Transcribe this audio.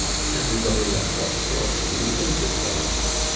Everybody left off talking, and waited for us.